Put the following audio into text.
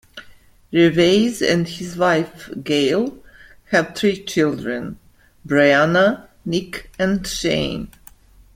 Reveiz and his wife, Gail, have three children: Bryanna, Nick and Shane.